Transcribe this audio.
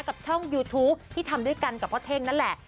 กับช่องยูทูปที่ทำด้วยกันกับพ่อเท่งนั่นแหละ